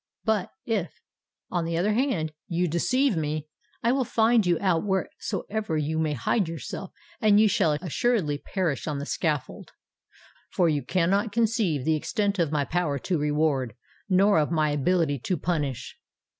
But if, on the other hand, you deceive me, I will find you out wheresoever you may hide yourself; and you shall assuredly perish on the scaffold! For you cannot conceive the extent of my power to reward, nor of my ability to punish."